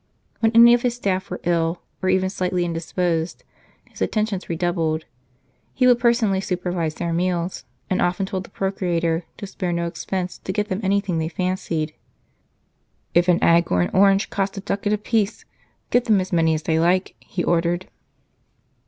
When any of his staff were ill, or even slightly indisposed, his attentions redoubled ; he would personally supervise their meals, and often told the procurator to spare no expense to get them anything they fancied. " If an egg or an orange costs a ducat 1 apiece, get them as many as they like," he ordered.